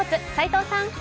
齋藤さん。